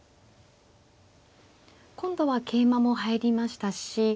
今度は桂馬も入りましたし。